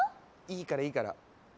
いいからいいから。